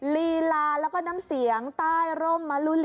ลีลาแล้วก็น้ำเสียงใต้โรคดีมาตรายด้วยทุกคนครับ